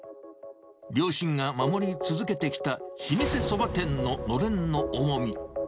両親が守り続けてきた老舗そば店ののれんの重み。